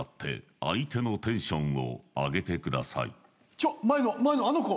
ちょっ前の前のあの子！